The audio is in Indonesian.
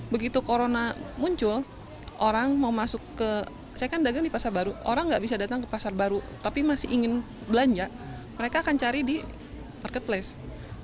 begitu corona muncul orang mau masuk ke saya kan dagang di pasar baru orang nggak bisa datang ke pasar baru tapi masih ingin belanja mereka akan cari di marketplace